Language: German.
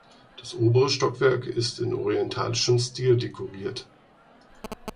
Das obere Stockwerk ist in orientalischem Stil dekoriert.